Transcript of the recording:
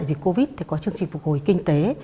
sau đại dịch covid thì có chương trình phục hồi kinh tế